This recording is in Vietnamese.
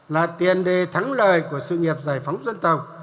là tiền đề thắng lợi của sự nghiệp giải phóng dân tộc